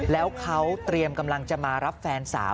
แล้วเขาเตรียมกำลังจะมารับแฟนสาว